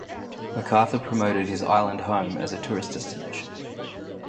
MacArthur promoted his island home as a tourist destination.